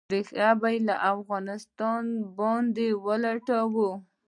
ریښې به «له افغانستانه د باندې ولټوو».